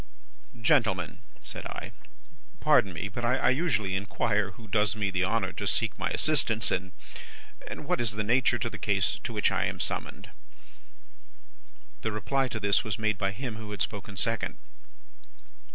"'Gentlemen,' said I, 'pardon me; but I usually inquire who does me the honour to seek my assistance, and what is the nature of the case to which I am summoned.' "The reply to this was made by him who had spoken second.